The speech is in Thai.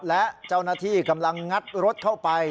และเจ้าหน้าที่กำลังงัดรถเข้าไป